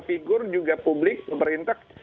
figur juga publik pemerintah